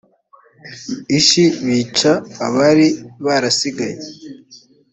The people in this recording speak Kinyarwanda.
ishi bica abari barasigaye